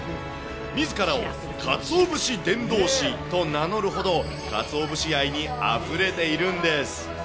みずからをかつお節伝道師と名乗るほど、かつお節愛にあふれているんです。